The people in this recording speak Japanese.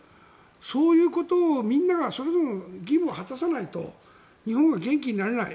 そういうことをみんながそれぞれの義務を果たさないと日本は元気になれない。